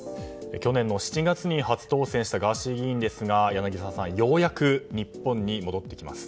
去年の７月に初当選したガーシー議員ですが柳澤さん、ようやく日本に戻ってきます。